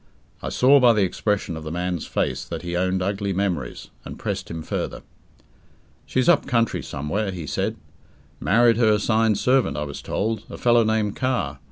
I saw by the expression of the man's face that he owned ugly memories, and pressed him further. "She's up country somewhere," he said. "Married her assigned servant, I was told, a fellow named Carr.